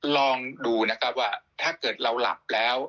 ลองดูนะครับว่าถ้าเกิดเราหลับแล้ว